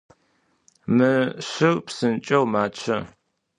Mı şşır psınç'eu maççe.